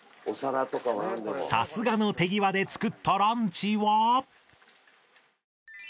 さすがの手際で作ったランチはおいしい！